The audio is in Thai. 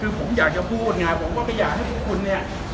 คือผมอยากจะพูดไงผมก็ไม่อยากให้พวกคุณเนี่ย